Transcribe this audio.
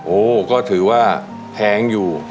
อูหวก็ถือว่าก็แพงอยู่